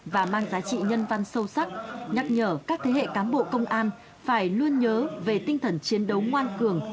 và mang giá trị nhân văn sâu sắc nhắc nhở các thế hệ cán bộ công an phải luôn nhớ về tinh thần chiến đấu ngoan cường